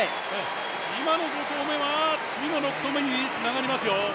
今の５投目は次の６投目につながりますよ。